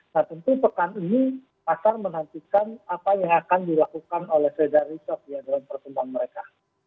nah tentu pekan ini pasar menantikan apa yang akan dilakukan oleh federal reserve ya dalam pertumbuhan mereka